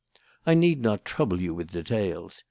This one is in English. I need not trouble you with details.